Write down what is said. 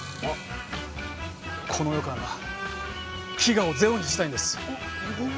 この世から飢餓をゼロにしたいんです。